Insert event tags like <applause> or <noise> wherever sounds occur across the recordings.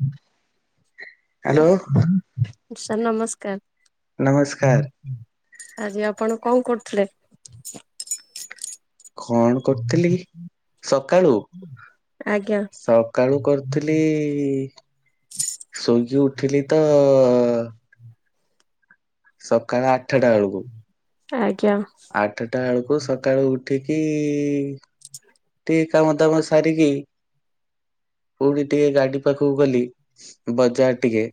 ହୁଁ hello. Sir ନମସ୍କାର। ନମସ୍କାର ଆଜି ଆପଣ କଣ କରୁଥିଲେ? କଣ କରୁଥିଲି ସକାଳୁ ଆଜ୍ଞା ସକାଳୁ କର ଉଥିଲି ଶୋଇକି ଉଠିଲି ତ ସକାଳ ଆଠଟା ବେଳକୁ। ଆଜ୍ଞା। ଆଠଟା ବେଳକୁ ସକାଳୁ ଉଠିକି ଟିକେ କାମ ଦାମ ସାରିକି ଫୁଣି ଟିକେ ଗାଡି ପାଖକୁ ଗଲି ବଜାର ଟିକେ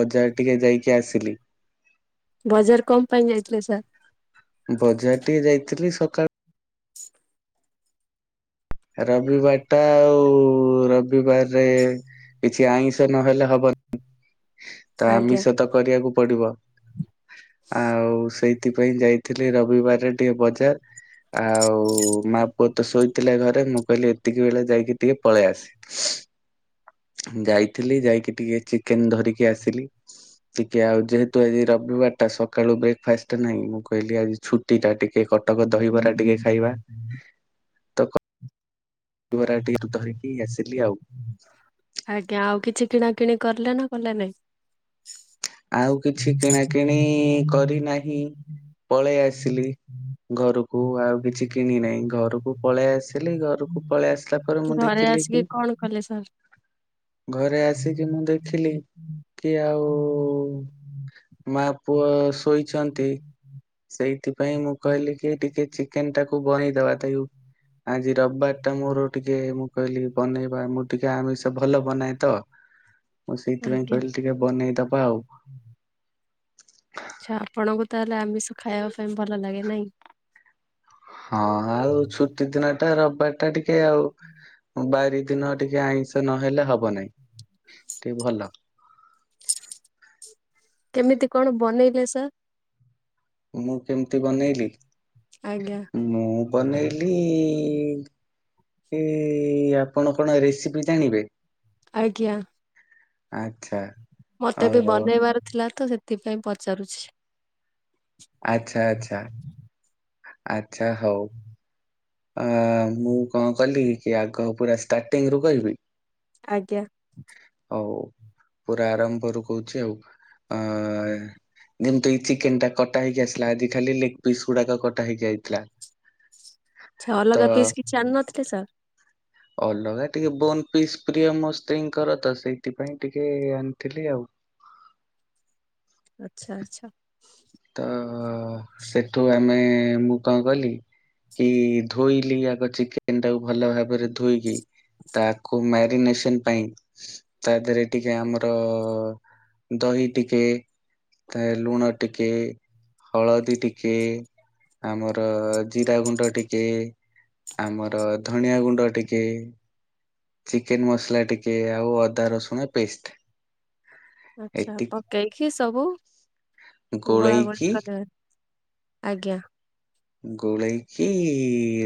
ବଜାର ଟିକେ ଯାଇକି ଆସିଲି। ବଜାର କମ ପାଇଁ ଯାଇଥିଲେ ସାର୍? ବଜାର ଟିକେ ଯାଇଥିଲି ସକାଳ ରବିବାର ଟା ଆଉ ରବିବାରରେ କିଛି ଆଇଁଷ ନହେଲେ ହବନି ତ ଆଜ୍ଞା ଆମିଷ ତ କରିବାକୁ ପଡିବ ଆଉ ସେଇଥିପାଇଁ ଯାଇ ଥିଲି ରବିବାରରେ ଟିକେ ବଜାର ଆଉ ମା ପୁଅ ତ ଶୋଇଥିଲେ ଘରେ ମୁଁ କହିଲି ଏତିକି ବେଳେ ଯାଇକି ଟିକେ ପଳେଇ ଆସ। ଯାଇଥିଲି ଯାଇକି ଟିକେ ଚିକେନ ଧରିକି ଆସିଲି। ଟିକେ ଆଉ ଯେହେତୁ ଆଜି ରବିବାର ଟା ସକାଳୁ ବ୍ରେକଫାଷ୍ଟ ନାଇଁ ମୁଁ କହିଲି ଆଜି ଛୁଟି ଟା ଟିକେ କି କଟକ ଦହିବରା ଟିକେ ଖାଇବା ତ ଦହିବରା ଟିକେ ଧରିକି ଆସିଲି ଆଉ। ଆଜ୍ଞା। ଆଉ କିଛି କିଣା କିିଣି କରଲେ ନା କଲେ ନାଇଁ? ଆଉ କିଛି କିଣା କିିଣି କରିନାହିଁ। ହ ପଳେଇ ଆସିଲି ଘରକୁ ଆଉ କିଛି କିଣି ନାହିଁ ଘରକୁ ପଳେଇ ଆସିଲି ଘରକୁ ପଳେଇ ଆସିଲା ପରେ ମୁଁ ଘରେ ଦେଖିଲ ଆସିକି କି କଣ କଲେ ସାର୍? ଘରେ ଆସିକି ମୁଁ ଦେଖିଲି କି ଆଉ ମା ପୁଅ ଶୋଇଛନ୍ତି ସେଇଥିପାଇଁ ମୁଁ କହିଲି କି ଟିକେ ଚିକେନ ଟାକୁ <unintelligible> ଆଜି ରବାର ତ ମୋର ଟିକେ ମୁଁ କହିଲି ବନେଇବା ମୁଁ ଟିକେ ଆମିଷ ଭଲ ବନାଏ ତ ମୁଁ ସେଇଥିପାଇଁ ଆଜ୍ଞା କହିଲି ଟିକେ ବନେଇଦବା ଆଉ। ଆଛା ଆପଣଙ୍କୁ ତାହେଲେ ଆମିଷ ଖାଇବା ପାଇଁ ଭଲ ଲାଗେ ନାଇଁ? ହଁ ଆଉ ଛୁଟି ଦିନ ଟା ରବିବାର ଟା ଟିକେ ଆଉ ବାରି ଦିନ ଟିକେ ଆଇଁଷ ନହେଲେ ହବ ନାହିଁ ଟିକେ ଭଲ। କେମିତି କଣ ବନେଇଲେ ସାର୍? ମୁଁ କେମିତି ବନେଇଲି? ଆଜ୍ଞା। ମୁଁ ବନେଇଲି ଏ ଆପଣ କଣ ରେସିପି ଜାଣିବେ? ଆଜ୍ଞା। ଆଚ୍ଛା। ମତେ ବି ଓହୋ ବନେଇବାର ଥିଲା ତ ସେଥିପାଇଁ ପଚାରୁଛି? ଆଛା ଆଚ୍ଛା। ଆଛା ହଉ। ଆ ମୁଁ କଣ କଲି କି ଆଗ ପୁରା ଷ୍ଟାର୍ଟିଂ ରୁ କହିବି?। ଆଜ୍ଞା। ହଉ। ପୁରା ଆରମ୍ଭରୁ କହୁଛି ଆଉ। ଯେମିତି ଏଇ ଚିକେନ ଟା କଟା ହେଇକି ଆସିଲା ଆଜି ଖାଲି ଲେଗ ପିସ୍ ଗୁଡାକ କଟା ହେଇକି ଆଇଥିଲା। ଆଛା ତ ଅଲଗା ପିସ୍ କିଛି ଆଣନଥିଲେ ସାର୍?। ଅଲଗା ଟିକେ ବୋନ ପିସ୍। ପ୍ରିୟ ମୋ ସ୍ତ୍ରୀ ଙ୍କର ତ ସେଇଥିପାଇଁ ଟିକେ ଆଣିଥିଲି ଆଉ। ଆଚ୍ଛା ଆଛା। ତ ସେଠୁ ଆମେ ମୁଁ କଣ କଲି। କି ଧୋଇଲି ଆଗ ଚିକେନ ଟାକୁ ଭଲ ଭାବରେ ଧୋଇକି। ତାକୁ ମ୍ୟାରିନେସନ ପାଇଁ। ତା ଦେହରେ ଟିକେ ଆମର ଦହି ଟିକେ ତା ଲୁଣ। ଟିକେ ହଳଦୀ ଟିକେ ଆମର। ଜିରା ଗୁଣ୍ଡ ଟିକେ ଆମର ଧଣିଆ ଗୁଣ୍ଡ ଟିକେ। ଚିକେନ ମସଲା ଟିକେ ଆଉ ଅଦା ରସୁଣ ପେଷ୍ଟ। ଆଛା। ଏତିକି ପକେଇକି ସବୁ ଗୋଳା ଗୋଳି ଗୋଳେଇକି କରିଦେବେ। ଆଜ୍ଞା। ଗୋଳେଇକି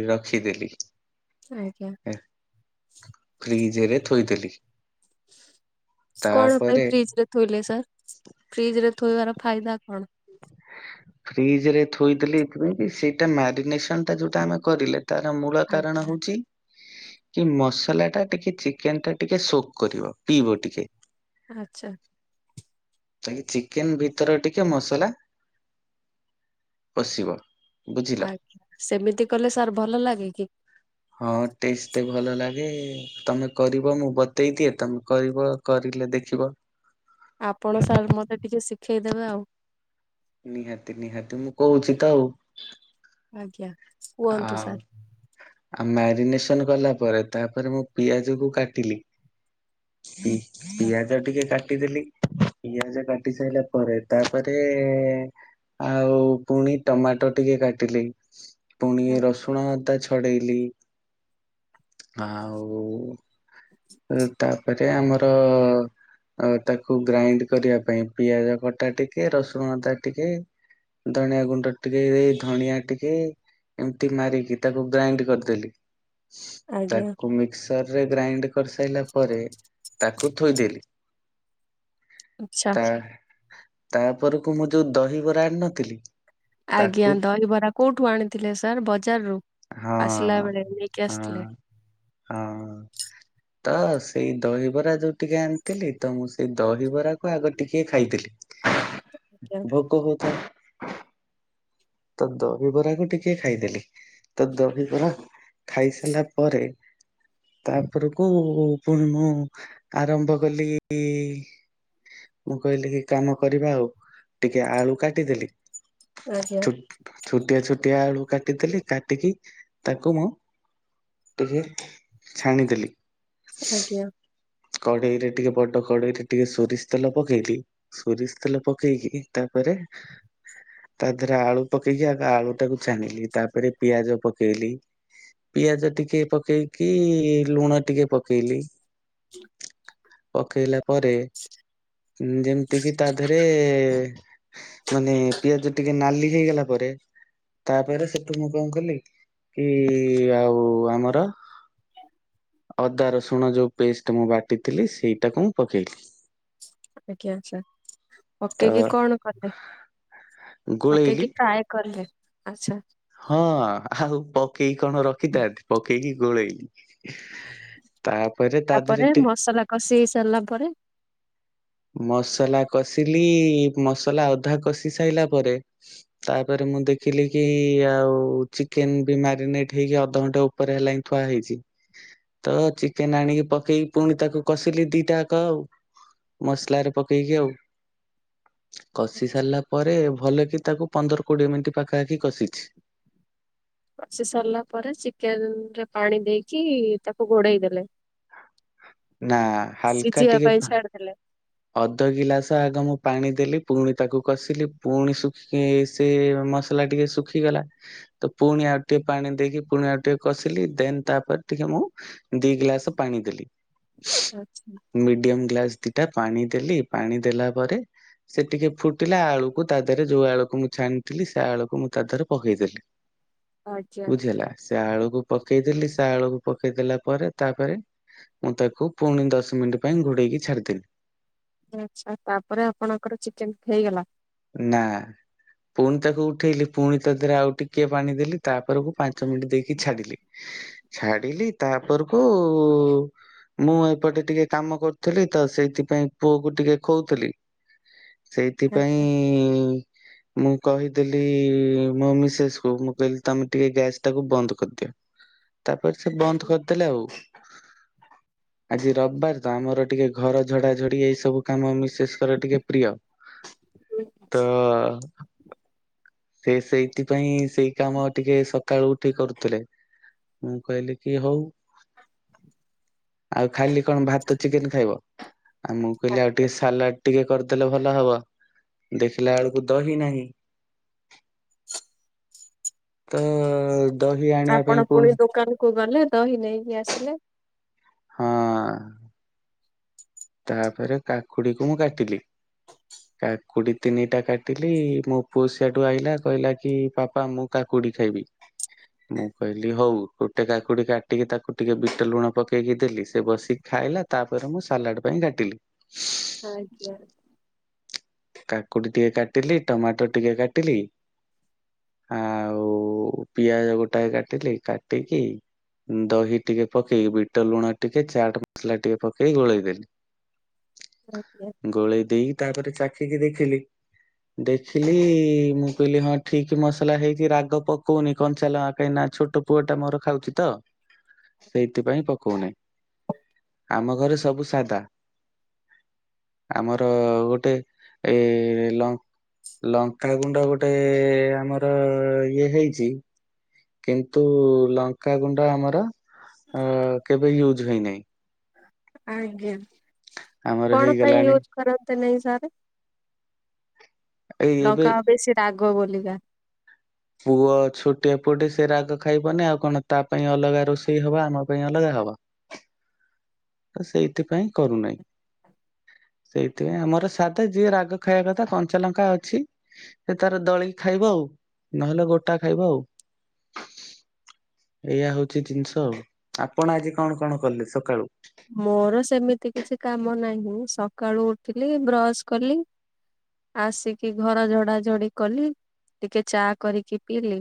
ରଖିଦେଲି। ଆଜ୍ଞା। ଫ୍ରିଜରେ ଥୋଇଦେଲି। କଣ ପାଇଁ ତାପରେ ଫ୍ରିଜ ରେ। ଥୋଇଲେ ସାର୍ ଫ୍ରିଜ ରେ ଥୋଇବାର ଫାଇଦା କଣ?। ଫ୍ରିଜ ରେ ଥୋଇଦେଲି ଏଥିପାଇଁ କି ସେଇଟା ମ୍ୟାରିନେସନ ଟା ଯୋଉଟା ଆମେ କରିଲେ। ତାର ମୂଳ କାରଣ ଆଜ୍ଞା। ହଉଛି। କି ମସଲା ଟା ଟିକେ ଚିକେନ ଟା ଟିକେ ସୋକ କରିବ ପିଇବ ଟିକେ। ଆଛା। ତ ଏଇ ଚିକେନ ଭିତର ଟିକେ ମସ। ମସଲା ପସିବ। ଆଜ୍ଞ୍ୟା ସେମିତି କଲେ ସାର୍ ଭଲ ଲାଗେ କି?। ହଁ ଟେଷ୍ଟ ଟା ଵି ଭଲ ଲାଗେ। ତମେ କରିବ ମୁଁ ବତେଇ ଦିଏ ତମେ କରିବ କରିଲେ ଦେଖିବ। ଆପଣ ସାର୍ ମତେ ଟିକେ ଶିଖେଇଦେବେ ଆଉ। ନିହାତି ନିହାତି ମୁଁ କହୁଛି ତ ଆଉ। ଆଜ୍ଞା କୁହନ୍ତୁ ଆଉ ସାର୍। ଆଉ ମ୍ୟାରିନେସନ କଲା ପରେ ତାପରେ ମୁଁ ପିଆଜ କୁ କାଟିଲି। ପିଆଜ ଟିକେ କାଟିଦେଲି। ପିଆଜ କାଟି ସାରିଲା ପରେ ତାପରେ। ଆଉ ପୁଣି ଟମାଟୋ ଟିକେ କାଟିଲି। ପୁଣି ଆ- ରସୁଣ ଅଦା ଛଡେଇଲି ଆଉ। ହ ତାପରେ ଆମର। ଆଉ ତାକୁ ଗ୍ରାଇଣ୍ଡ କରିବା ପାଇଁ ପିଆଜ କଟା ଟିକେ ରସୁଣ ଅଦା ଟିକେ। ଧଣିଆ ଗୁଣ୍ଡ ଟିକେ ଏଇ ଧଣିଆ ଟିକେ। ଏମିତି ମାରିକି ତାକୁ ଗ୍ରାଇଣ୍ଡ କରିଦେଲି ଆଜ୍ଞା ତାକୁ ମିକ୍ସରରେ ଗ୍ରାଇଣ୍ଡ କରିସାରଲା ପରେ ତାକୁ ଥୋଇଦେଲି ଆଚ୍ଛା ତା ତା ପରକୁ ମୁଁ ଯୋଉ ଦହିବରା ଆଣିିନଥିଲି। ଆଜ୍ଞା ଦହିବରା କୋଉଠୁ ଆଣିଥିଲେ ସାର୍ ବଜାରରୁୁ ହଁ ଆସିଲା ବେଳେ ନେଇକି ହଁ ଆସିଥିଲେ। ହଁ ତ ସେଇ ଦହିବରା ଯୋଉ ଟିକେ ଆଣିଥିଲି ତ ମୁଁ ସେଇ ଦହିବରାକୁ ଆଗ ଟିକେ ଖାଇଥିଲି। ଆଜ୍ଞା ଭୋକ ହୁତ ତ ଦହିବରାକୁ ଟିକେ ଖାଇଦେଲି ତ ଦହିବରା ଖାଇସାରିଲା ପରେ ତାପରକୁ ପୁଣି ମୁଁ ଆରମ୍ଭ କଲି ମୁଁ କହିଲି କି କାମ କରିବା ଆଉ ଟିକେ ଆଳୁ କାଟିଦେଲି ଆଜ୍ଞା ଛୁ ଛୋଟିଆ ଛୋଟିଆ ଆଳୁ କାଟିଦେଲି କାଟିକି ତାକୁ ମୁ ଟିକେ ଛାଣିଦେଲି। ଆଜ୍ଞା କଡେଇରେ ଟିକେ ବଡ କଡେଇରେ ଟିକେ ସୋରିଷ ତେଲ ପକେଇଲି ସୋରିଷ ତେଲ ପକେଇକି ତାପରେ ତା ଦେରେ ଆଳୁ ପକେଇକି ଆଗ ଆଳୁ ଟାକୁ ଛାଣିଲି ତାପରେ ପିଆଜ ପକେଇଲି ପିଆଜ ଟିକେ ପକେଇକି ଲୁଣ ଟିକେ ପକେଇଲି <inaudible> ପକେଇଲା ପରେ ଯେମିତି କିି ତା ଦେହରେ ମାନେ ପିଆଜ ଟିକେ ନାଲି ହେଇଗଲା ପରେ ତାପରେ ସେଠୁ ମୁଁ କଣ କଲି କି ଆଉ ଆମର ଅଦା ରସୁଣ ଯେଉଁ ପେଷ୍ଟ ମୁଁ ବାଟିଥିଲି ସେଇଟାକୁ ମୁ ପକେଇଲି ଆଜ୍ଞାଛାର୍ ତ ପକେଇକି କିି କଣ କଲେ ଗୋଳେଇଲି ପକେଇକି ଫ୍ରାଏ କଲେ ଆଛା ହ ଆଉ ପକେଇକି କଣ ରଖିଥାନ୍ତି ପକେଇକି ଗୋଳେଇଲି ତାପରେ ତା ଦେହରେ ତାପରେ ଟିକେ ମସଲା କଷି ହେଇ ସାରିଲା ପରେ ମସଲା କଷିଲି ମସଲା ଅଧା କଷି ସାଇଲା ପରେ ତାପରେ ମୁଁ ଦେଖିଲି କି ଆଉ ଚିକେନ ବି ମ୍ୟାରିନେଟ ହେଇକି ଅଧଘଣ୍ଟା ଓ ପରେ ହେଲାନି ଥୁଆ ହେଇଛି ତ ଚିକେନ ଆଣିକି ପକେଇକି ପୁଣି ତାକୁ କସିଲି ଦିଟାକ ଆଉ ମସଲାରେ ପକେଇକି ଆଉ କଷି ସାରିଲା ପରେ ଭଲ କି ତାକୁ ପନ୍ଦର କୋଡିଏ ମିନିଟ୍ ପାଖା ଆାଖି କଷିଛି କଷି ସାରିଲା ପରେ ଚିକେନ ରେ ପାଣି ଦେଇକି ତାକୁ ଘୋଡେଇ ଦେଲେ ନା ହାଲକା ସିଝିବା ଟିକେ ପାଇଁ ପା- ଛାଡିଥଦେଲେ ଅଧ ଗିଲାସ ଆଗ ମୁଁ ପାଣି ଦେଲି ପୁଣି ତାକୁ କଷିଲି ପୁଣି ଶୁଖିକି ସେ ମସଲା ଟିକେ ଶୁଖିଗଲା ତ ପୁଣି ଆଉ ଟିକେ ପାଣି ଦେଇକି ପୁଣି ଆଉ ଟିକେ କସିଲି ଦେନ ତାପରେ ଟିକେ ମୁ ଦି ଗ୍ଲାସ ପାଣି ଦେଲି। ଆଛା ମିଡିୟମ ଗ୍ଲାସ ଦିଟା ପାଣି ଦେଲି ପାଣି ଦେଲା ପରେ ସେ ଟିକେ ଫୁଟିଲା ଆଳୁକୁ ତା ଦେହରେ ଯୋଉ ଆଳୁକୁ ମୁଁ ଛାଣିଥିଲି ସେ ଆଳୁକୁ ମୁଁ ତା ଦେହରେ ପକେଇଦେଲି। <inaudible> ବୁଝି ହେଲା ସେ ଆଳୁକୁ ପକେଇଦେଲି ସେ ଆଳୁକୁ ପକେଇଦଲା ପରେ ତାପରେ ମୁ ତାକୁ ପୁଣି ଦଶ ମିନିଟ୍ ପାଇଁ ଘୋଡ଼େଇକି ଛାଡ଼ିଦେଲି। ଆଚ୍ଛା ତାପରେ ଆପଣଙ୍କର ଚିକେନ୍ ହେଇଗଲା? ନାଁ। ପୁଣି ତାକୁ ଉଠେଇଲି ପୁଣି ତାଦେହରେ ଆଉ ଟିକିଏ ପାଣି ଦେଲି ତାପରକୁ ପାଞ୍ଚ ମିନିଟ୍ ଦେଇକି ଛାଡ଼ିଲି। ଛାଡ଼ିଲି ତାପରକୁ ମୁଁ ଏପଟେ ଟିକେ କାମ କରୁଥିଲି ତସେଇଥିପାଇଁ ପୁଅକୁ ଟିକେ ଖୋଉଥିଲି ସେଇଥିପାଇଁ <inaudible> ମୁଁ କହିଥିଲି ମୋ ମିସେସ୍କୁ ମୁଁ କହିଲି ତମେ ଟିକେ ଗ୍ୟାସ୍ ଟାକୁ ବନ୍ଦ କରିଦିଅ। <inaudible> ତାପରେସେ ବନ୍ଦ କରିଦେଲେ ଆଉ। <inaudible> ଆଜି ରବିବାରତ ଆମର ଟିକେ ଘର ଝଡ଼ା ଝଡ଼ି ଏଇ ସବୁ କାମ ମିସେସଙ୍କ ଟିକେ ପ୍ରିୟ। ଉଁ ତ ହୁଁ। ସେ ସେଇଥିପାଇଁ ସେଇ କାମ ଟିକେ ସକାଳୁ ଉ ଏଠି କରୁଥିଲେ ମୁଁ କହିଲିକି ହଉ ଆଉ ଖାଲି କଣ ଭାତ ଚିକେନ୍ ଖାଇବ ଆଉ ମୁଁ କହିଲି ଆଉ ଆଜ୍ଞା ଟିକେ ସାଲାଟ୍ ଟିକେ କରିଦେଲେ ଭଲ ହବ ଦେଖିଲା ବେଳକୁ ଦହି ନାହିଁ। ତୋ ଆପଣ ପୁଣି ଦୋକାନକୁ ଗଲେ ଦହି ନେଇକି ଆସିଲେ। ହଁ। ତାପରେ କାକୁଡ଼ିକୁ ମୁଁ କାଟିଲି <inaudible> କାକୁଡ଼ି ତିନିଟା କାଟିଲି ମୋ ପୁଅସିିଆଡୁ ଆଇଲା କହିଲାକି ପାପା ମୁଁ କାକୁଡ଼ି ଖାଇବି ମୁଁ କହିଲି ହଉ ଗୋଟେ କାକୁଡ଼ି କାଟିକି ତାକୁ ଟିକେ ବିଟ ଲୁଣ ପକେଇକି ଦେଲି ସେବସିକି ଖାଇଲା ତାପରେ ମୁଁ ସାଲାଟ୍ ପାଇଁ କାଟିଲି। ଆଜ୍ଞା। କାକୁଡ଼ି ଟିକେ କାଟିଲି ଟମାଟୋ ଟିକେ କାଟିଲି ଆଉ ପିଆଜ ଗୋଟାଏ କାଟିଲି କାଟିକି ଦହି ଟିକେ ପକେଇକି ବିଟ ଲୁଣ ଟିକେ ଚାଟ୍ ମସଲା ଟିକେ ପକେଇ ଗୋଳେଇଦେଲି। ଆଜ୍ଞା। ଗୋଳେଇ ଦେଇ ତାପରେ ଚାଖିକି ଦେଖିଲି ଦେଖିଲି ମୁଁ କହିଲି ହଁ ଠିକ୍ ମସଲା ହେଇଚି ରାଗ ପକଉନି କଞ୍ଚା ଲଙ୍କା କାହିଁି ନା ଛୋଟ ପୁଅଟା ମୋର ଖାଉଚିତ ସେଇଥିପାଇଁ ପକଉନି। ଆମ ଘରେ ସବୁ ସାଧା ଆମର ଗୋଟେ ଏ ଲ ଲଙ୍କାଗୁଣ୍ଡ ଗୋଟେ ଆମର ଇଏ ହେଇଚି କିନ୍ତୁ ଲଙ୍କାଗୁଣ୍ଡ ଆମର ଅଁ କେବେ ୟୁଜ୍ ହୋଇନାହିଁ। ଆଜ୍ଞା ଆମର କଣ ପାଇଁ ହେଇଗଲାଣି ୟୁଜ୍ କରନ୍ତି ନାଇଁ ସାର୍? ଏଇ ଏବେ ଲଙ୍କା ବେଶୀ ରାଗ ବୋଲିକା। ପୁଅ ଛୋଟିଆ ପୁଅଟେ ସେରାଗ ଖାଇବନି ଆଉ କଣ ତାପାଇଁ ଅଲଗା ରୋଷେଇ ହବ ଆମ ପାଇଁ ଅଲଗା ହବ। ତ ସେଇଥିପାଇଁ କରୁନାଇଁ। ସେଇଥିପାଇଁ ଆମର ସାଧା ଯିଏ ରାଗ ଖାଇବା କଥା କଞ୍ଚା ଲଙ୍କା ଅଛି ସେତାର ଦଳିକି ଖାଇବ ଆଉ ନହେଲେ ଗୋଟା ଖାଇବ ଆଉ। ଏଇୟଆ ହଉଚି ଜିନିଷ ଆଉ ଆପଣ ଆଜି କଣ କଣ କଲେ ସକାଳୁ? ମୋର ସେମିତି କିଛି କାମ ନାହିଁ ସକାଳୁ ଉଠଥିଲି ବ୍ରଶ୍ କଲି ଆସିକି ଘର ଝଡ଼ା ଝଡ଼ି କଲି, ଟିକେ ଚା କରିକି ପିଇଲି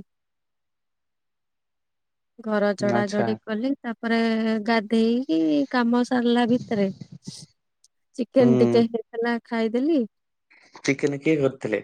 ଘର ଝଡା ଝଡି ଆଚ୍ଛା ଜଡି କଲି ତାପରେ ଗାଧେଇଲି କାମ ସରିଲା ଭିତରେ ହୁଁ ଚିକେନ ଫିକେନ୍ ହେଇଥିଲା ଖାଇଦେଲି ଚିକେନ କିଏ କରିଥିଲେ?